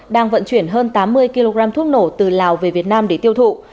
đang vận chuyển hơn tám mươi kg thuốc nổ từ lào về việt nam để tiêu thụ